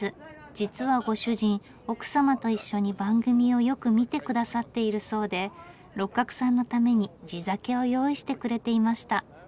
実はご主人奥様と一緒に番組をよく見て下さっているそうで六角さんのために地酒を用意してくれていました。